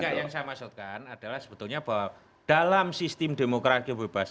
ya yang saya maksudkan adalah sebetulnya bahwa dalam sistem demokrasi bebas